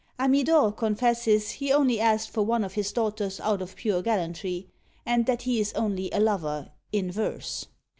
Amidor confesses he only asked for one of his daughters out of pure gallantry, and that he is only a lover in verse!